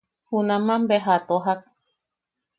Junaman beja a tojak.